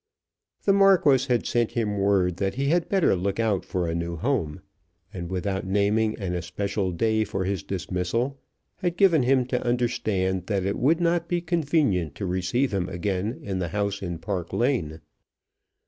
The Marquis had sent him word that he had better look out for a new home, and without naming an especial day for his dismissal, had given him to understand that it would not be convenient to receive him again in the house in Park Lane.